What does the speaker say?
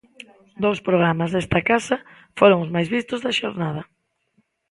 Dous programas desta casa foron os máis vistos da xornada.